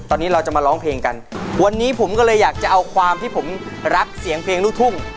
ตอนนี้เราจะมาร้องเพลงกันวันนี้ผมก็เลยอยากจะเอาความที่ผมรักเสียงเพลงลูกทุ่ง